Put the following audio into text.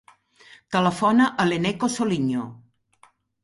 Telefona a l'Eneko Soliño.